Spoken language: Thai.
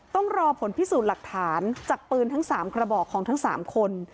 ต้องรอผลพิสูจน์หลักฐานจากปืนทั้ง๓กระบอกของทั้ง๓คน